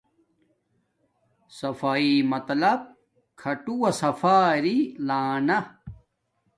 صفایݵ مطلب کھاٹووہ صفآ اری لانا